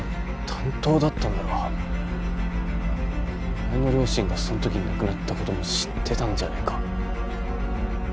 担当だったんならおまえの両親がそん時に亡くなったことも知ってたんじゃねぇか？